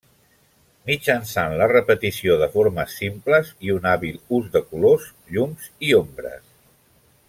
Mitjançant la repetició de formes simples i un hàbil ús de colors, llums i ombres.